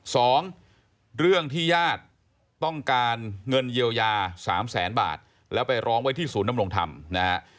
สองเรื่องที่ญาติต้องการเงินเยียวยาสามแสนบาทแล้วไปร้องไว้ที่ศูนย์นำรงธรรมนะฮะ